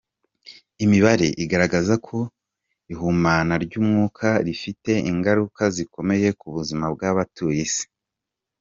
Imibare igaragaza ko ihumana ry’umwuka rifite ingaruka zikomeye ku buzima bw’abatuye Isi.